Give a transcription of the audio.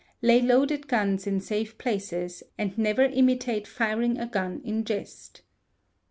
Lay loaded guns in safe places, and never imitate firing a gun in jest.